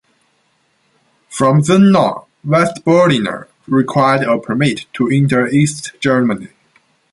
From then on West Berliners required a permit to enter East Germany.